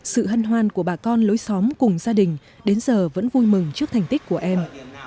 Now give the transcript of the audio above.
sự hân hoan của bà con lối xóm cùng gia đình đến giờ vẫn vui mừng trước thành tích của em